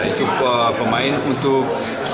itu pemain untuk